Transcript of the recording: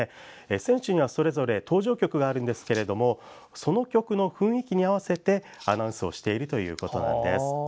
選手には、それぞれ登場曲がありますがその曲の雰囲気に合わせてアナウンスをしているということです。